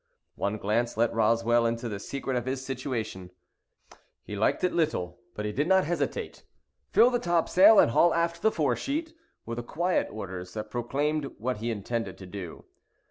One glance let Roswell into the secret of his situation. He liked it little, but he did not hesitate. "Fill the topsail, and haul aft the foresheet," were the quiet orders that proclaimed what he intended to do.